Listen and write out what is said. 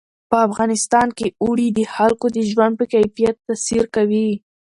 په افغانستان کې اوړي د خلکو د ژوند په کیفیت تاثیر کوي.